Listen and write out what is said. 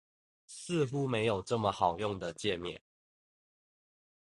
似乎沒有這麼好用的介面